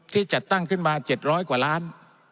จัดตั้งขึ้นมา๗๐๐กว่าล้าน